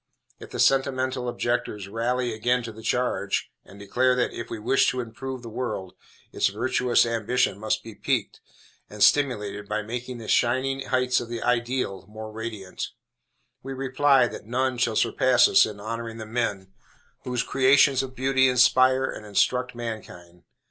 If the sentimental objectors rally again to the charge, and declare that, if we wish to improve the world, its virtuous ambition must be piqued and stimulated by making the shining heights of "the ideal" more radiant; we reply, that none shall surpass us in honoring the men whose creations of beauty inspire and instruct mankind.